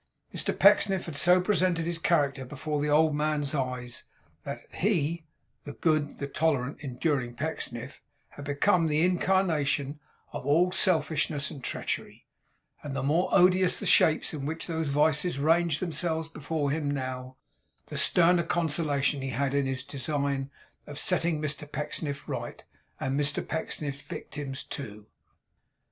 Mr Pecksniff had so presented his character before the old man's eyes, that he the good, the tolerant, enduring Pecksniff had become the incarnation of all selfishness and treachery; and the more odious the shapes in which those vices ranged themselves before him now, the sterner consolation he had in his design of setting Mr Pecksniff right and Mr Pecksniff's victims too.